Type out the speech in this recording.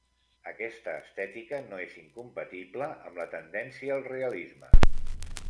Aquesta estètica no és incompatible amb la tendència al realisme.